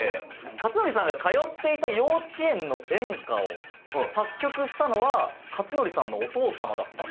克典さんが通っていた幼稚園の園歌を作曲したのは克典さんのお父様だったという。